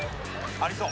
ありそう！